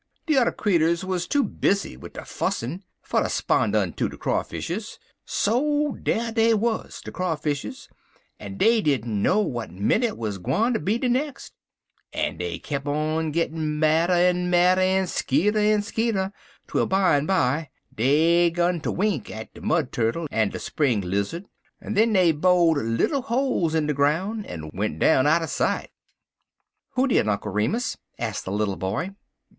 De udder creeturs wuz too busy wid der fussin' fer ter 'spon' unto de Crawfishes. So dar dey wuz, de Crawfishes, en dey didn't know w'at minnit wuz gwineter be de nex'; en dey kep' on gittin madder en madder en skeerder en skeerder, twel bimeby dey gun de wink ter de Mud Turkle en de Spring Lizzud, en den dey bo'd little holes in de groun' en went down outer sight." "Who did, Uncle Remus?" asked the little boy.